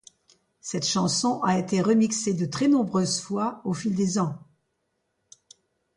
Cette chanson a été remixée de très nombreuses fois au fil des ans.